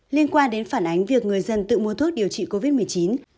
liên quan đến phản ánh việc người dân tự mua thuốc điều trị covid một mươi chín